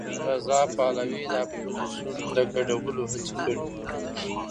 رضا پهلوي د اپوزېسیون ګډولو هڅې کړي.